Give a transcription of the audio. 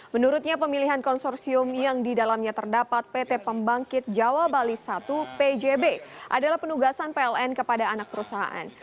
menurutnya pemilihan konsorsium yang didalamnya terdapat pt pembangkit jawa bali i pjb adalah penugasan pln kepada anak perusahaan